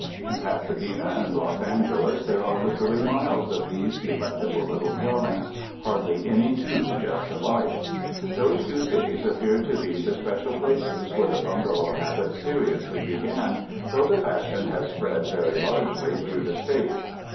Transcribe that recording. In Pasadena and Los An geles there are literally miles of these delectable little dwellings, hardly any two just alike. Those two cities appear to be the special places where the bungalow habit seriously began, though the fashion has spread very largely through the State.